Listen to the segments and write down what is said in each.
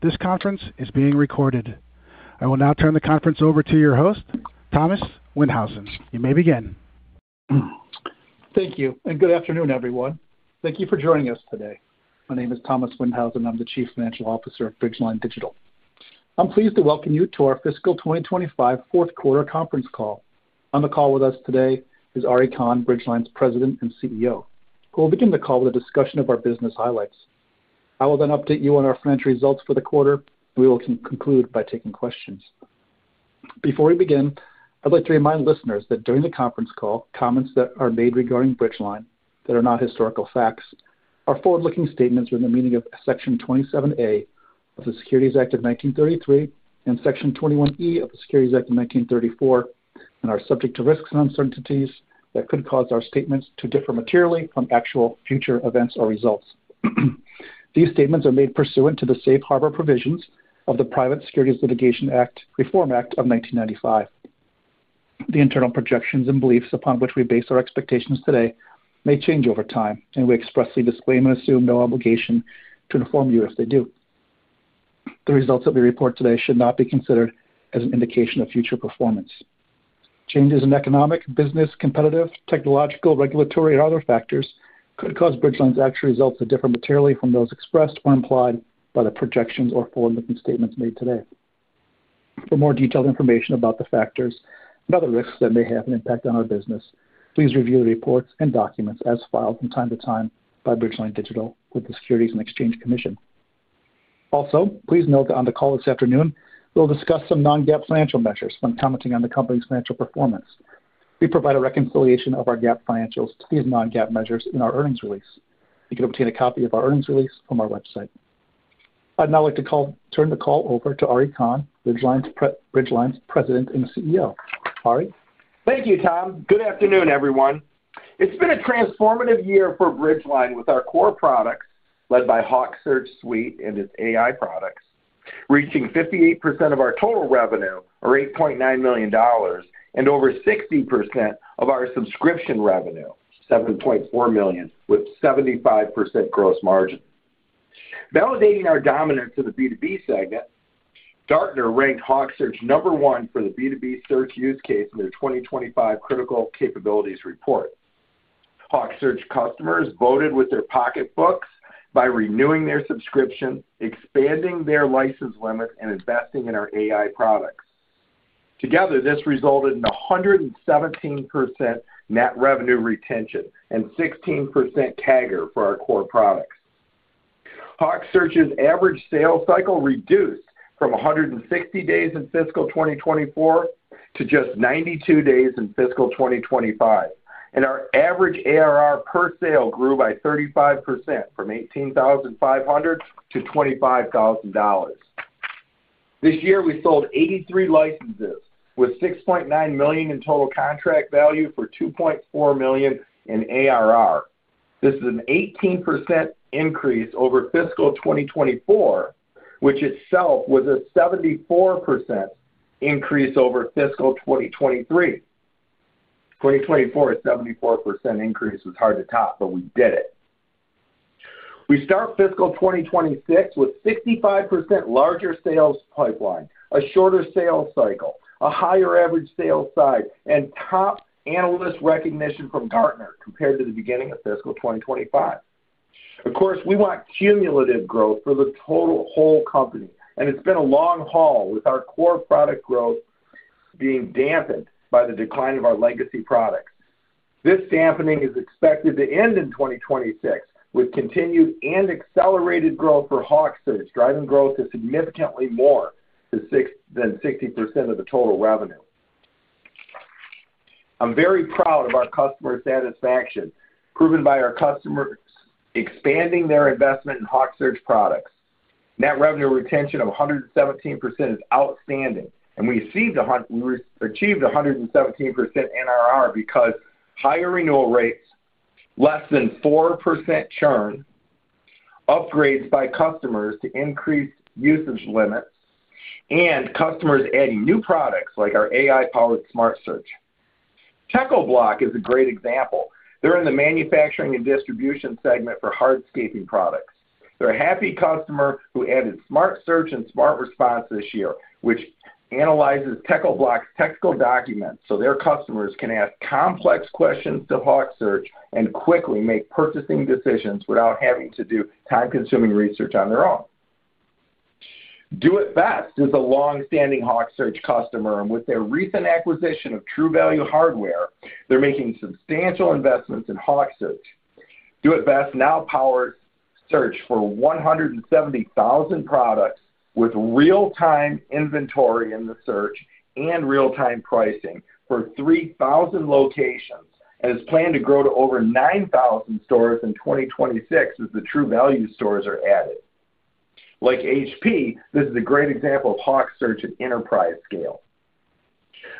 This conference is being recorded. I will now turn the conference over to your host, Thomas Windhausen. You may begin. Thank you, and good afternoon, everyone. Thank you for joining us today. My name is Thomas Windhausen. I'm the Chief Financial Officer of Bridgeline Digital. I'm pleased to welcome you to our fiscal 2025 fourth quarter conference call. On the call with us today is Ari Kahn, Bridgeline's President and CEO, who will begin the call with a discussion of our business highlights. I will then update you on our financial results for the quarter, and we will conclude by taking questions. Before we begin, I'd like to remind listeners that during the conference call, comments that are made regarding Bridgeline that are not historical facts are forward-looking statements in the meaning of Section 27A of the Securities Act of 1933 and Section 21E of the Securities Act of 1934, and are subject to risks and uncertainties that could cause our statements to differ materially from actual future events or results. These statements are made pursuant to the safe harbor provisions of the Private Securities Litigation Reform Act of 1995. The internal projections and beliefs upon which we base our expectations today may change over time, and we expressly disclaim and assume no obligation to inform you if they do. The results that we report today should not be considered as an indication of future performance. Changes in economic, business, competitive, technological, regulatory, or other factors could cause Bridgeline's actual results to differ materially from those expressed or implied by the projections or forward-looking statements made today. For more detailed information about the factors and other risks that may have an impact on our business, please review the reports and documents as filed from time to time by Bridgeline Digital with the Securities and Exchange Commission. Also, please note that on the call this afternoon, we'll discuss some Non-GAAP financial measures when commenting on the company's financial performance. We provide a reconciliation of our GAAP financials to these Non-GAAP measures in our earnings release. You can obtain a copy of our earnings release from our website. I'd now like to turn the call over to Ari Kahn, Bridgeline's President and CEO. Ari. Thank you, Tom. Good afternoon, everyone. It's been a transformative year for Bridgeline Digital with our core products led by HawkSearch Suite and its AI products, reaching 58% of our total revenue, or $8.9 million, and over 60% of our subscription revenue, $7.4 million, with 75% gross margin. Validating our dominance in the B2B segment, Gartner ranked HawkSearch number one for the B2B search use case in their 2025 Critical Capabilities Report. HawkSearch customers voted with their pocketbooks by renewing their subscription, expanding their license limits, and investing in our AI products. Together, this resulted in 117% net revenue retention and 16% CAGR for our core products. HawkSearch's average sales cycle reduced from 160 days in fiscal 2024 to just 92 days in fiscal 2025, and our average ARR per sale grew by 35% from $18,500 to $25,000. This year, we sold 83 licenses with $6.9 million in total contract value for $2.4 million in ARR. This is an 18% increase over fiscal 2024, which itself was a 74% increase over fiscal 2023. 2024, a 74% increase was hard to top, but we did it. We start fiscal 2026 with a 65% larger sales pipeline, a shorter sales cycle, a higher average sales size, and top analyst recognition from Gartner compared to the beginning of fiscal 2025. Of course, we want cumulative growth for the total whole company, and it's been a long haul with our core product growth being dampened by the decline of our legacy products. This dampening is expected to end in 2026 with continued and accelerated growth for HawkSearch, driving growth to significantly more than 60% of the total revenue. I'm very proud of our customer satisfaction, proven by our customers expanding their investment in HawkSearch products. Net revenue retention of 117% is outstanding, and we achieved 117% NRR because of higher renewal rates, less than 4% churn, upgrades by customers to increased usage limits, and customers adding new products like our AI-powered Smart Search. Techo-Bloc is a great example. They're in the manufacturing and distribution segment for hardscaping products. They're a happy customer who added Smart Search and Smart Response this year, which analyzes Techo-Bloc's technical documents so their customers can ask complex questions to HawkSearch and quickly make purchasing decisions without having to do time-consuming research on their own. Do it Best is a longstanding HawkSearch customer, and with their recent acquisition of True Value Hardware, they're making substantial investments in HawkSearch. Do it Best now powers search for 170,000 products with real-time inventory in the search and real-time pricing for 3,000 locations and is planned to grow to over 9,000 stores in 2026 as the True Value stores are added. Like HP, this is a great example of HawkSearch at enterprise scale.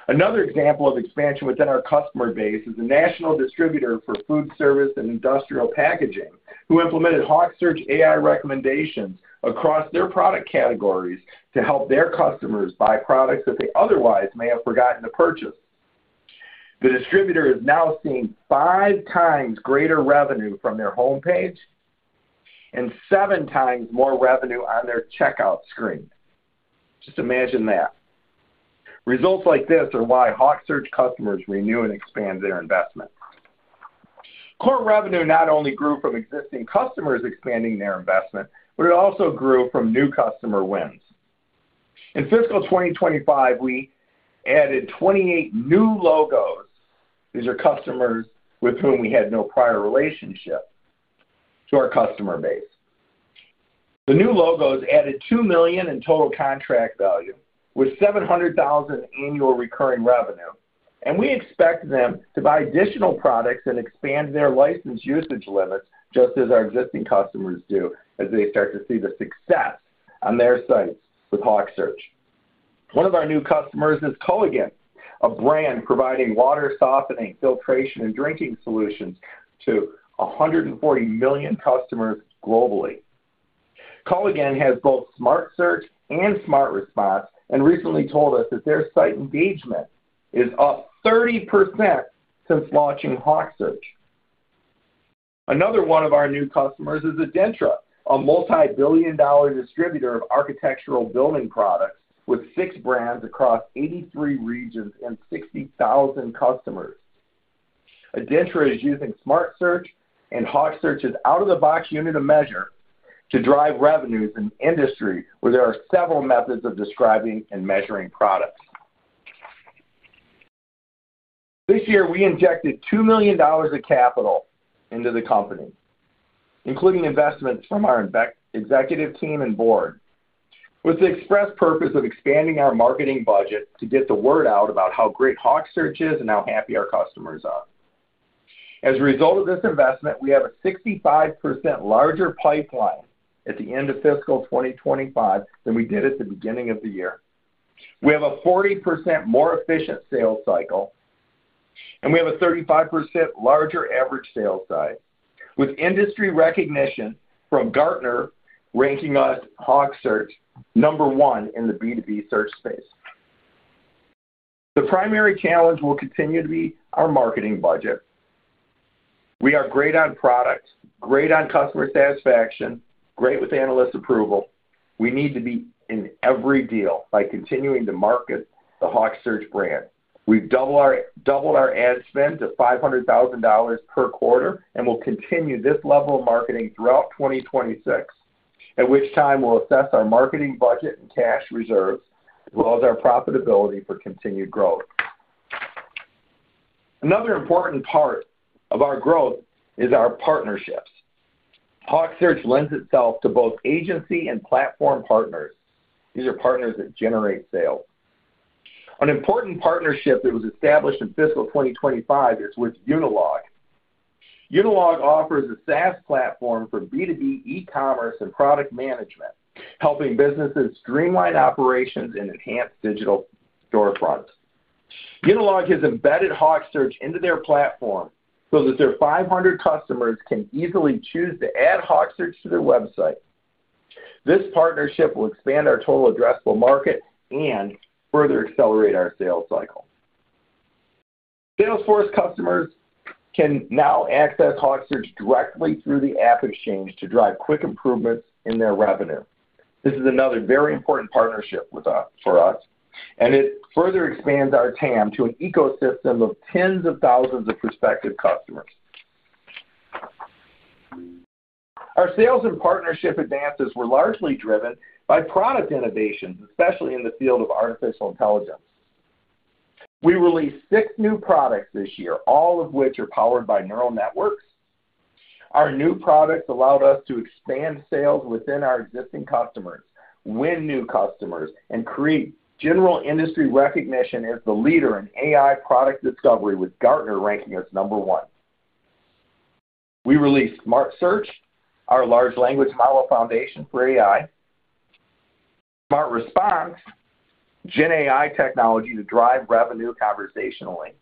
Another example of expansion within our customer base is a national distributor for food service and industrial packaging who implemented HawkSearch AI recommendations across their product categories to help their customers buy products that they otherwise may have forgotten to purchase. The distributor is now seeing five times greater revenue from their homepage and seven times more revenue on their checkout screen. Just imagine that. Results like this are why HawkSearch customers renew and expand their investment. Core revenue not only grew from existing customers expanding their investment, but it also grew from new customer wins. In fiscal 2025, we added 28 new logos. These are customers with whom we had no prior relationship to our customer base. The new logos added $2 million in total contract value with $700,000 annual recurring revenue, and we expect them to buy additional products and expand their license usage limits, just as our existing customers do as they start to see the success on their sites with HawkSearch. One of our new customers is Culligan, a brand providing water softening, filtration, and drinking solutions to 140 million customers globally. Culligan has both Smart Search and Smart Response and recently told us that their site engagement is up 30% since launching HawkSearch. Another one of our new customers is ADENTRA, a multi-billion dollar distributor of architectural building products with six brands across 83 regions and 60,000 customers. ADENTRA is using Smart Search, and HawkSearch is out-of-the-box unit of measure to drive revenues in industry where there are several methods of describing and measuring products. This year, we injected $2 million of capital into the company, including investments from our executive team and board, with the express purpose of expanding our marketing budget to get the word out about how great HawkSearch is and how happy our customers are. As a result of this investment, we have a 65% larger pipeline at the end of fiscal 2025 than we did at the beginning of the year. We have a 40% more efficient sales cycle, and we have a 35% larger average sales size, with industry recognition from Gartner ranking HawkSearch number one in the B2B search space. The primary challenge will continue to be our marketing budget. We are great on product, great on customer satisfaction, great with analyst approval. We need to be in every deal by continuing to market the HawkSearch brand. We've doubled our ad spend to $500,000 per quarter and will continue this level of marketing throughout 2026, at which time we'll assess our marketing budget and cash reserves, as well as our profitability for continued growth. Another important part of our growth is our partnerships. HawkSearch lends itself to both agency and platform partners. These are partners that generate sales. An important partnership that was established in fiscal 2025 is with Unilog. Unilog offers a SaaS platform for B2B e-commerce and product management, helping businesses streamline operations and enhance digital storefronts. Unilog has embedded HawkSearch into their platform so that their 500 customers can easily choose to add HawkSearch to their website. This partnership will expand our total addressable market and further accelerate our sales cycle. Salesforce customers can now access HawkSearch directly through the AppExchange to drive quick improvements in their revenue. This is another very important partnership for us, and it further expands our TAM to an ecosystem of tens of thousands of prospective customers. Our sales and partnership advances were largely driven by product innovations, especially in the field of artificial intelligence. We released six new products this year, all of which are powered by neural networks. Our new products allowed us to expand sales within our existing customers, win new customers, and create general industry recognition as the leader in AI product discovery, with Gartner ranking as number one. We released Smart Search, our large language model foundation for AI, Smart Response, GenAI technology to drive revenue conversationally,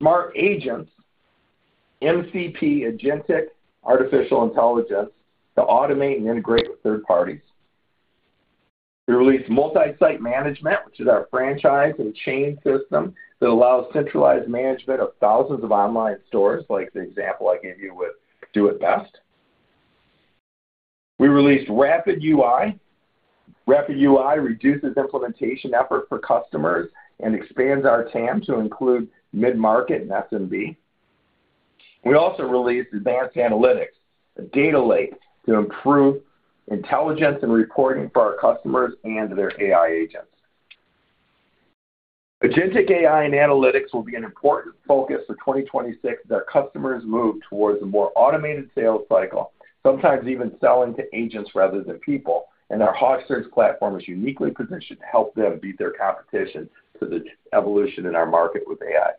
Smart Agents, MCP, agentic artificial intelligence to automate and integrate with third parties. We released Multi-Site Management, which is our franchise and chain system that allows centralized management of thousands of online stores, like the example I gave you with Do it Best. We released Rapid UI. Rapid UI reduces implementation effort for customers and expands our TAM to include mid-market and SMB. We also released Advanced Analytics, a data lake to improve intelligence and reporting for our customers and their AI agents. Agentic AI and analytics will be an important focus for 2026 as our customers move towards a more automated sales cycle, sometimes even selling to agents rather than people, and our HawkSearch platform is uniquely positioned to help them beat their competition to the evolution in our market with AI.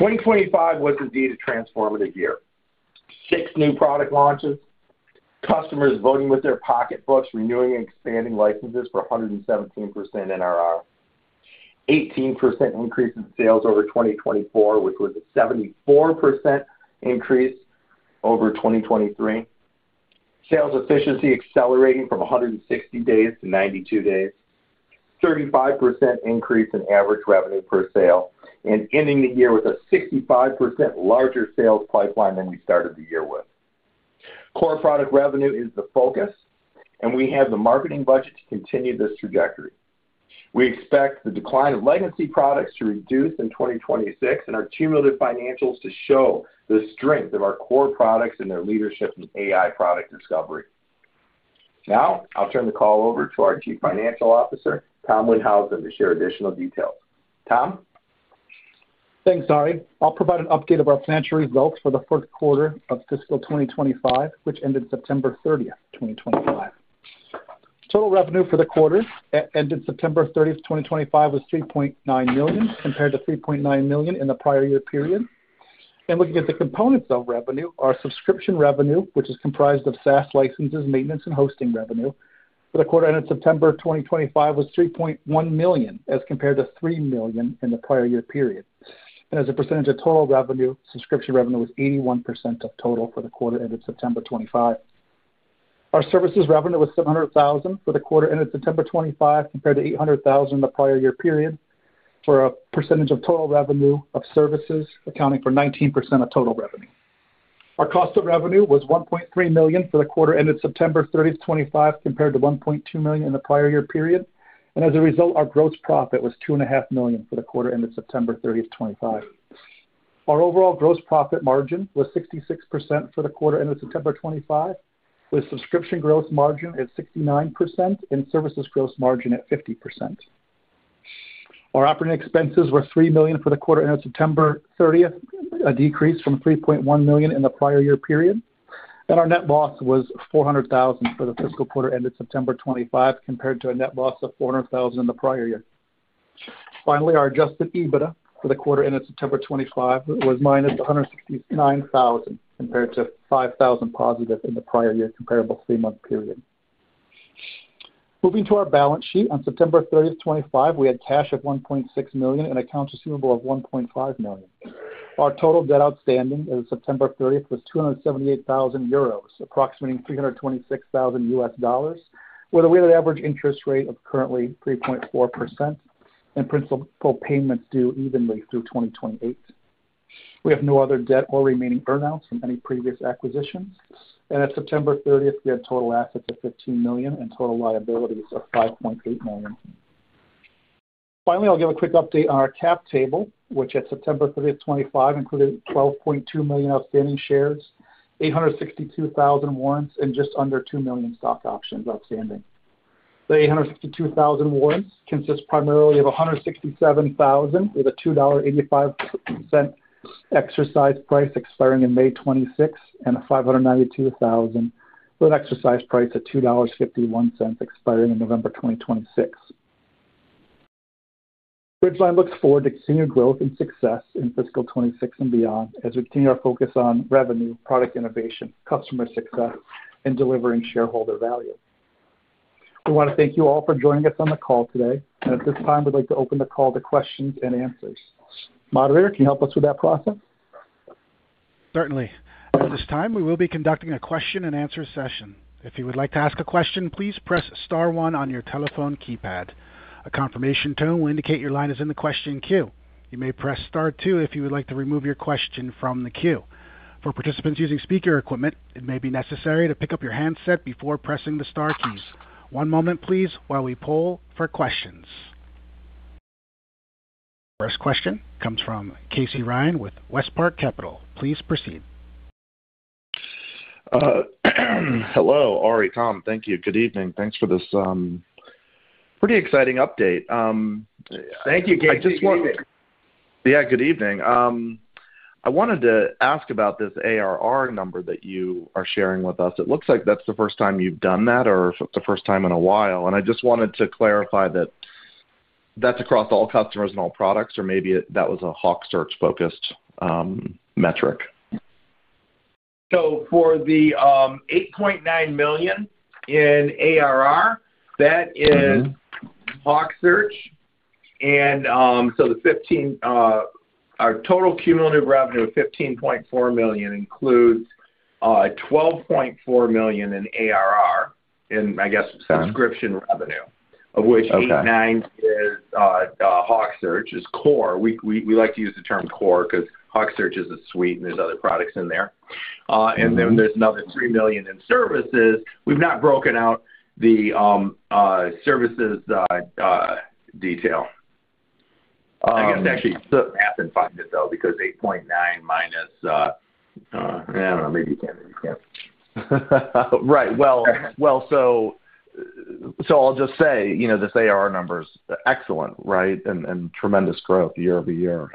2025 was indeed a transformative year. Six new product launches, customers voting with their pocketbooks, renewing and expanding licenses for 117% NRR, an 18% increase in sales over 2024, which was a 74% increase over 2023, sales efficiency accelerating from 160 days to 92 days, a 35% increase in average revenue per sale, and ending the year with a 65% larger sales pipeline than we started the year with. Core product revenue is the focus, and we have the marketing budget to continue this trajectory. We expect the decline of legacy products to reduce in 2026 and our cumulative financials to show the strength of our core products and their leadership in AI product discovery. Now, I'll turn the call over to our Chief Financial Officer, Tom Windhausen, to share additional details. Tom? Thanks, Ari. I'll provide an update of our financial results for the first quarter of fiscal 2025, which ended September 30th, 2025. Total revenue for the quarter ended September 30, 2025, was $3.9 million compared to $3.9 million in the prior year period. And looking at the components of revenue, our subscription revenue, which is comprised of SaaS licenses, maintenance, and hosting revenue for the quarter ended September 2025, was $3.1 million as compared to $3 million in the prior year period. And as a percentage of total revenue, subscription revenue was 81% of total for the quarter ended September 2025. Our services revenue was $700,000 for the quarter ended September 2025 compared to $800,000 in the prior year period for a percentage of total revenue of services accounting for 19% of total revenue. Our cost of revenue was $1.3 million for the quarter ended September 30, 2025 compared to $1.2 million in the prior year period. And as a result, our gross profit was $2.5 million for the quarter ended September 30, 2025. Our overall gross profit margin was 66% for the quarter ended September 2025, with subscription gross margin at 69% and services gross margin at 50%. Our operating expenses were $3 million for the quarter ended September 30th, a decrease from $3.1 million in the prior year period. And our net loss was $400,000 for the fiscal quarter ended September 2025 compared to a net loss of $400,000 in the prior year. Finally, our Adjusted EBITDA for the quarter ended September 2025 was minus $169,000 compared to $5,000 positive in the prior year comparable three-month period. Moving to our balance sheet, on September 30, 2025, we had cash of $1.6 million and accounts receivable of $1.5 million. Our total debt outstanding as of September 30, was 278,000 euros, approximating $326,000, with a weighted average interest rate of currently 3.4% and principal payments due evenly through 2028. We have no other debt or remaining earnouts from any previous acquisitions. And at September 30th, we had total assets of $15 million and total liabilities of $5.8 million. Finally, I'll give a quick update on our cap table, which at September 30, 2025, included 12.2 million outstanding shares, 862,000 warrants, and just under 2 million stock options outstanding. The 862,000 warrants consist primarily of 167,000 with a $2.85 exercise price expiring in May 2026 and 592,000 with an exercise price at $2.51 expiring in November 2026. Bridgeline looks forward to continued growth and success in fiscal 2026 and beyond as we continue our focus on revenue, product innovation, customer success, and delivering shareholder value. We want to thank you all for joining us on the call today. And at this time, we'd like to open the call to questions and answers. Moderator, can you help us with that process? Certainly. At this time, we will be conducting a question and answer session. If you would like to ask a question, please press star one on your telephone keypad. A confirmation tone will indicate your line is in the question queue. You may press star two if you would like to remove your question from the queue. For participants using speaker equipment, it may be necessary to pick up your handset before pressing the star keys. One moment, please, while we poll for questions. First question comes from Casey Ryan with WestPark Capital. Please proceed. Hello, Ari, Tom, thank you. Good evening. Thanks for this pretty exciting update. Thank you, Casey. Yeah, good evening. I wanted to ask about this ARR number that you are sharing with us. It looks like that's the first time you've done that or the first time in a while. And I just wanted to clarify that that's across all customers and all products, or maybe that was a HawkSearch-focused metric. So for the $8.9 million in ARR, that is HawkSearch. And so our total cumulative revenue of $15.4 million includes $12.4 million in ARR, and I guess subscription revenue, of which $8.9 million is HawkSearch. It's core. We like to use the term core because HawkSearch is a suite, and there's other products in there. And then there's another $3 million in services. We've not broken out the services detail. I guess actually you can map and find it, though, because $8.9 million minus, I don't know, maybe you can't. Right. Well, so I'll just say this ARR number is excellent, right, and tremendous growth year-over-year.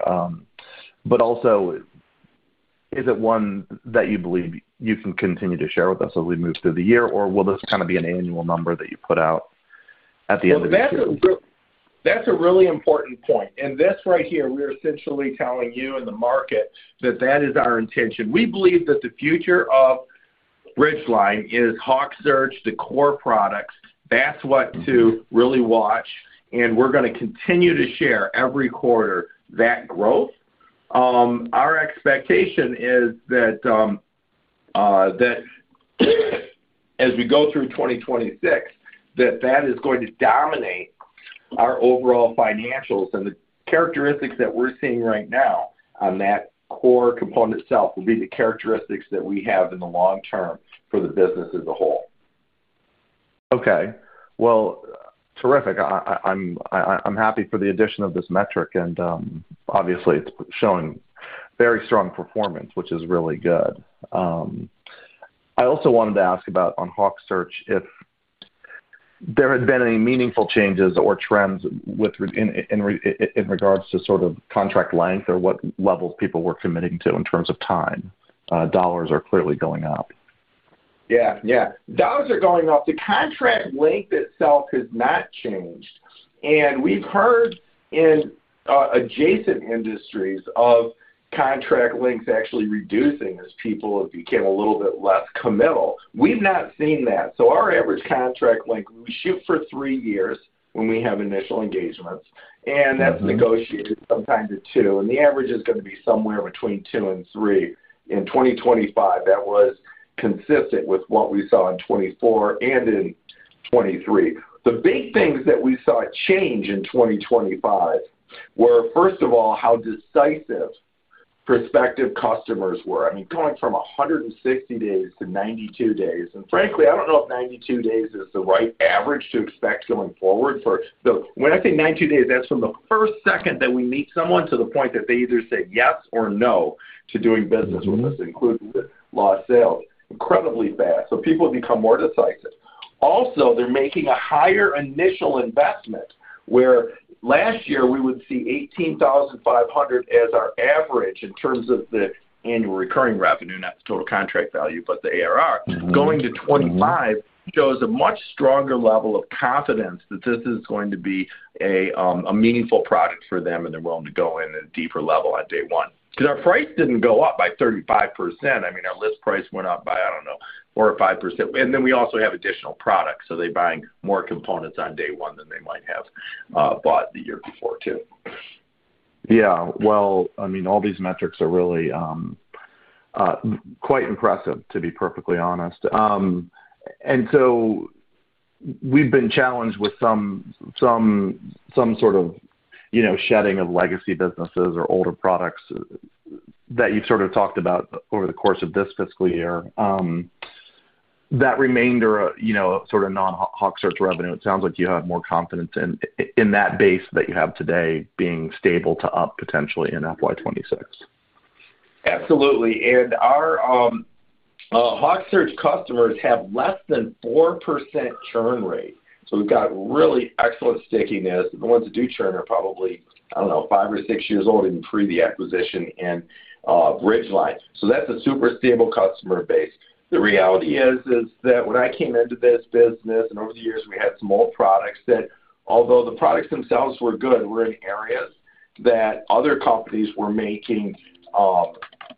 But also, is it one that you believe you can continue to share with us as we move through the year, or will this kind of be an annual number that you put out at the end of the year? That's a really important point. And this right here, we're essentially telling you and the market that that is our intention. We believe that the future of Bridgeline is HawkSearch, the core products. That's what to really watch. And we're going to continue to share every quarter that growth. Our expectation is that as we go through 2026, that that is going to dominate our overall financials. And the characteristics that we're seeing right now on that core component itself will be the characteristics that we have in the long term for the business as a whole. Okay. Well, terrific. I'm happy for the addition of this metric. And obviously, it's showing very strong performance, which is really good. I also wanted to ask about on HawkSearch if there had been any meaningful changes or trends in regards to sort of contract length or what levels people were committing to in terms of time. Dollars are clearly going up. Yeah. Yeah. Dollars are going up. The contract length itself has not changed. And we've heard in adjacent industries of contract lengths actually reducing as people became a little bit less committal. We've not seen that. Our average contract length, we shoot for three years when we have initial engagements. And that's negotiated sometimes at two. And the average is going to be somewhere between two and three. In 2025, that was consistent with what we saw in 2024 and in 2023. The big things that we saw change in 2025 were, first of all, how decisive prospective customers were. I mean, going from 160 days to 92 days. And frankly, I don't know if 92 days is the right average to expect going forward for those. When I say 92 days, that's from the first second that we meet someone to the point that they either say yes or no to doing business with us, including with lost sales, incredibly fast. So people become more decisive. Also, they're making a higher initial investment, where last year we would see $18,500 as our average in terms of the annual recurring revenue, not the total contract value, but the ARR. Going to 2025 shows a much stronger level of confidence that this is going to be a meaningful product for them, and they're willing to go in at a deeper level on day one. Because our price didn't go up by 35%. I mean, our list price went up by, I don't know, 4% or 5%. And then we also have additional products. So they're buying more components on day one than they might have bought the year before, too. Yeah. Well, I mean, all these metrics are really quite impressive, to be perfectly honest. And so we've been challenged with some sort of shedding of legacy businesses or older products that you've sort of talked about over the course of this fiscal year. That remainder of sort of non-HawkSearch revenue, it sounds like you have more confidence in that base that you have today being stable to up potentially in FY 2026. Absolutely. And our HawkSearch customers have less than 4% churn rate. So we've got really excellent stickiness. The ones that do churn are probably, I don't know, five or six years old even pre the acquisition and Bridgeline. So that's a super stable customer base. The reality is that when I came into this business, and over the years, we had some old products that, although the products themselves were good, were in areas that other companies were making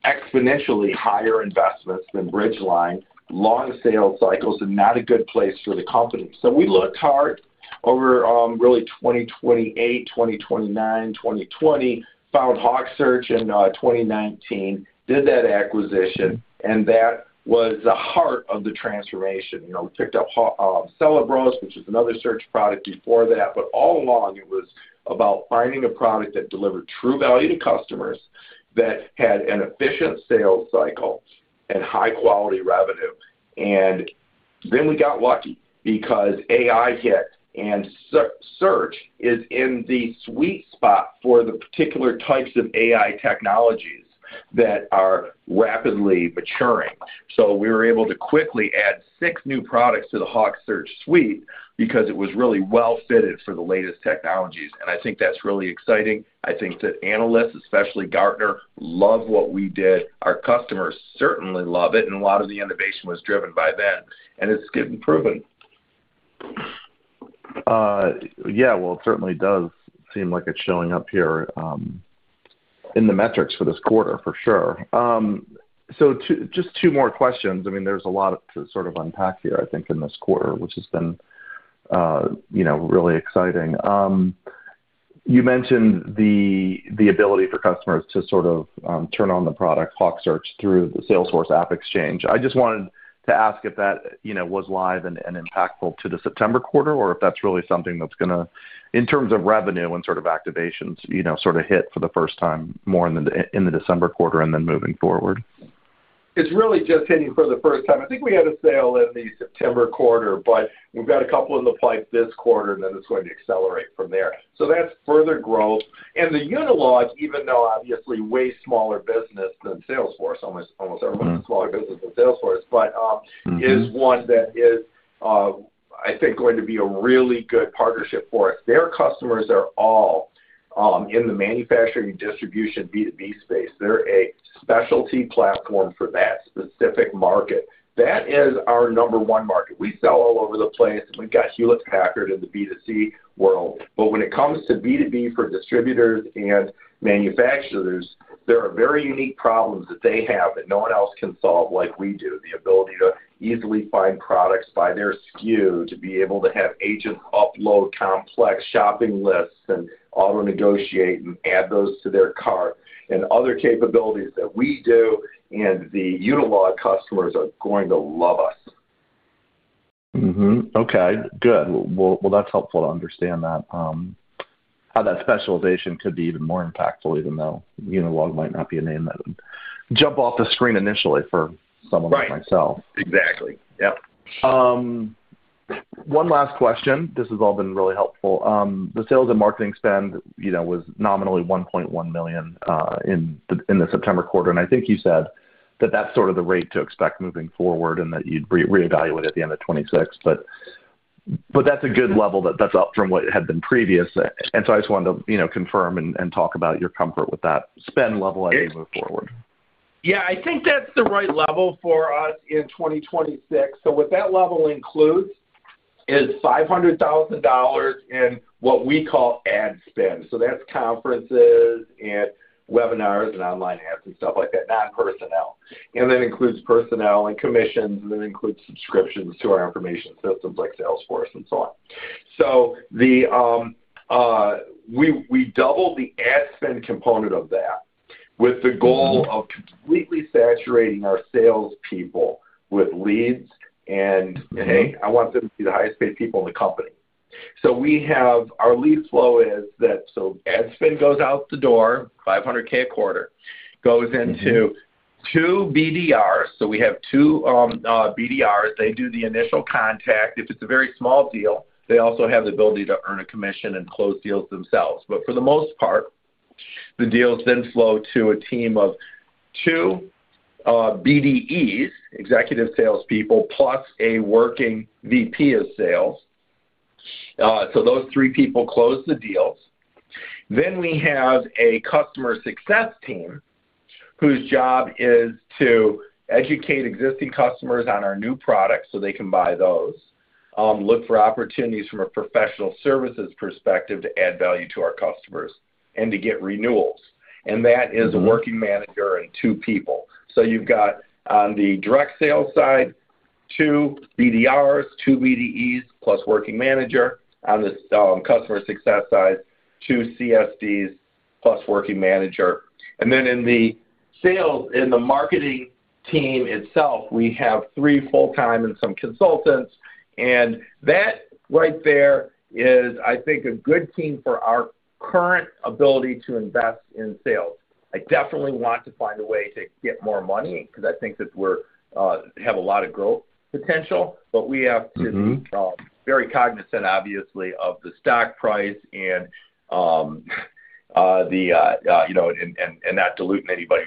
exponentially higher investments than Bridgeline, long sales cycles, and not a good place for the company, so we looked hard over really 2018, 2019, 2020, found HawkSearch in 2019, did that acquisition, and that was the heart of the transformation. We picked up Celebros, which was another search product before that, but all along, it was about finding a product that delivered True Value to customers, that had an efficient sales cycle, and high-quality revenue. And then we got lucky because AI hit, and search is in the sweet spot for the particular types of AI technologies that are rapidly maturing. So we were able to quickly add six new products to the HawkSearch suite because it was really well-fitted for the latest technologies. And I think that's really exciting. I think that analysts, especially Gartner, love what we did. Our customers certainly love it. And a lot of the innovation was driven by them. And it's getting proven. Yeah. Well, it certainly does seem like it's showing up here in the metrics for this quarter, for sure. So just two more questions. I mean, there's a lot to sort of unpack here, I think, in this quarter, which has been really exciting. You mentioned the ability for customers to sort of turn on the product, HawkSearch, through the Salesforce AppExchange. I just wanted to ask if that was live and impactful to the September quarter, or if that's really something that's going to, in terms of revenue and sort of activations, sort of hit for the first time more in the December quarter and then moving forward. It's really just hitting for the first time. I think we had a sale in the September quarter, but we've got a couple in the pipe this quarter, and then it's going to accelerate from there. So that's further growth, and the Unilog, even though obviously way smaller business than Salesforce, almost everyone's a smaller business than Salesforce, but is one that is, I think, going to be a really good partnership for us. Their customers are all in the manufacturing distribution B2B space. They're a specialty platform for that specific market. That is our number one market. We sell all over the place, and we've got Hewlett-Packard in the B2C world, but when it comes to B2B for distributors and manufacturers, there are very unique problems that they have that no one else can solve like we do. The ability to easily find products by their SKU, to be able to have agents upload complex shopping lists and auto-negotiate and add those to their cart, and other capabilities that we do, and the Unilog customers are going to love us. Okay. Good. Well, that's helpful to understand how that specialization could be even more impactful, even though Unilog might not be a name that would jump off the screen initially for someone like myself. Right. Exactly. Yep. One last question. This has all been really helpful. The sales and marketing spend was nominally $1.1 million in the September quarter. I think you said that that's sort of the rate to expect moving forward and that you'd reevaluate at the end of 2026. But that's a good level that's up from what had been previous. And so I just wanted to confirm and talk about your comfort with that spend level as we move forward. Yeah. I think that's the right level for us in 2026. So what that level includes is $500,000 in what we call ad spend. So that's conferences and webinars and online ads and stuff like that, non-personnel. And that includes personnel and commissions. And that includes subscriptions to our information systems like Salesforce and so on. So we doubled the ad spend component of that with the goal of completely saturating our salespeople with leads. And I want them to be the highest-paid people in the company. Our lead flow is that ad spend goes out the door, $500,000 a quarter, goes into two BDRs. We have two BDRs. They do the initial contact. If it's a very small deal, they also have the ability to earn a commission and close deals themselves. But for the most part, the deals then flow to a team of two BDEs, executive salespeople, plus a working VP of sales. Those three people close the deals. We have a customer success team whose job is to educate existing customers on our new products so they can buy those, look for opportunities from a professional services perspective to add value to our customers, and to get renewals. That is a working manager and two people. You've got on the direct sales side, two BDRs, two BDEs, plus working manager. On the customer success side, two CSDs, plus working manager. And then in the sales, in the marketing team itself, we have three full-time and some consultants. And that right there is, I think, a good team for our current ability to invest in sales. I definitely want to find a way to get more money because I think that we have a lot of growth potential. But we have to be very cognizant, obviously, of the stock price and not dilute anybody,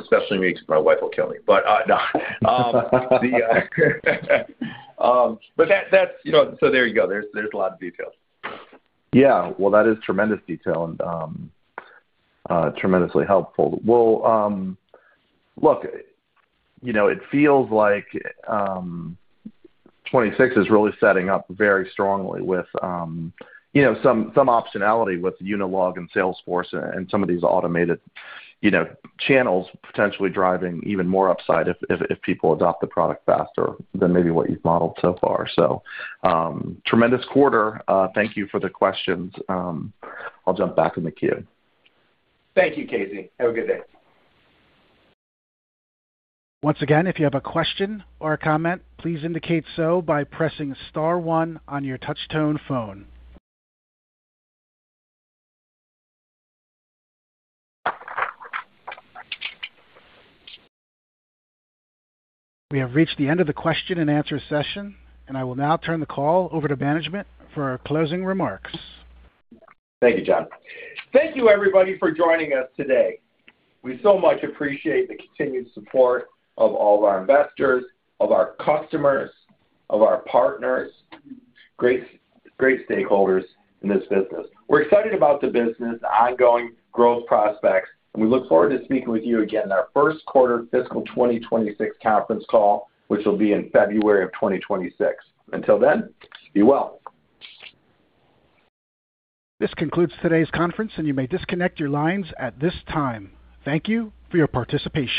especially me because my wife will kill me. But no. But that's so there you go. There's a lot of detail. Yeah. Well, that is tremendous detail and tremendously helpful. Well, look, it feels like 2026 is really setting up very strongly with some optionality with Unilog and Salesforce and some of these automated channels potentially driving even more upside if people adopt the product faster than maybe what you've modeled so far. So tremendous quarter. Thank you for the questions. I'll jump back in the queue. Thank you, Casey. Have a good day. Once again, if you have a question or a comment, please indicate so by pressing star one on your touch-tone phone. We have reached the end of the question and answer session. And I will now turn the call over to management for closing remarks. Thank you, John. Thank you, everybody, for joining us today. We so much appreciate the continued support of all of our investors, of our customers, of our partners, great stakeholders in this business. We're excited about the business, ongoing growth prospects. And we look forward to speaking with you again in our first quarter fiscal 2026 conference call, which will be in February of 2026. Until then, be well. This concludes today's conference. And you may disconnect your lines at this time. Thank you for your participation.